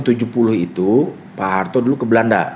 tahun seribu sembilan ratus tujuh puluh itu pak harto ke belanda